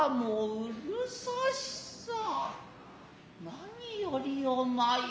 何よりお前